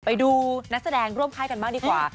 ไปดูนักแสดงร่วมค่ายกันบ้างดีกว่า